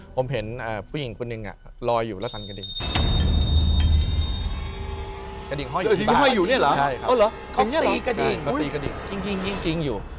กริ๊งกริ๊งกริ๊งอยู่